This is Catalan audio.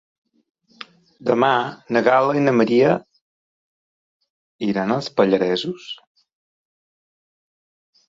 Demà na Gal·la i na Maria iran als Pallaresos.